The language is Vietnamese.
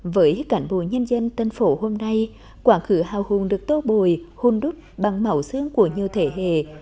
với cản bồ nhân dân tân phổ hôm nay quả khử hào hùng được tốt bồi hôn đút bằng màu sướng của nhiều thế hệ